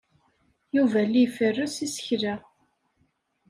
Yuba la iferres isekla.